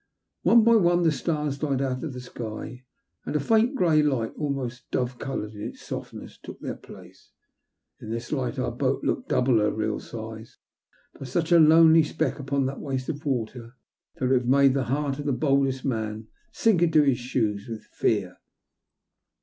One by one the stars died out of the sky, and a faint grey light, almost dove coloured in its softness, took their place. In this light our boat looked double her real size, but such a lonely speck upon that waste of water that it would have made the heart of the boldest man sink into his shoes with fear.